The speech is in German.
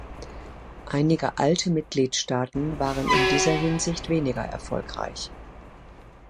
Einige alte Mitgliedstaaten waren in dieser Hinsicht weniger erfolgreich.